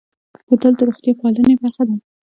بوتل د روغتیا پالنې برخه ده.